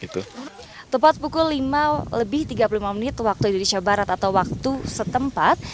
tepat pukul lima lebih tiga puluh lima menit waktu indonesia barat atau waktu setempat